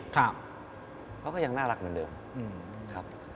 เขาก็ยังน่ารักเหมือนเดิมครับ